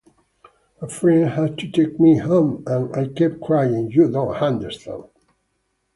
A friend had to take me home, and I kept crying, 'You don't understand!